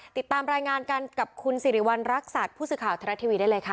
ติดตามรายงานกันกับคุณสิริวัณรักษัตริย์ผู้สื่อข่าวทรัฐทีวีได้เลยค่ะ